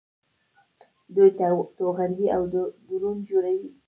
دوی توغندي او ډرون جوړوي.